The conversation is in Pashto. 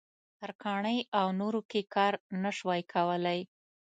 ترکاڼۍ او نورو کې کار نه شوای کولای.